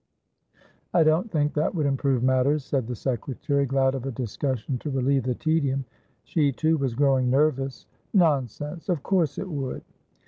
"I don't think that would improve matters," said the secretary, glad of a discussion to relieve the tedium. She too was growing nervous. "Nonsense! Of course it would."